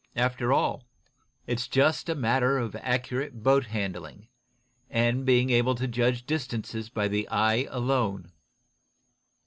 "After all, it's just a matter of accurate boat handling, and being able to judge distances by the eye alone.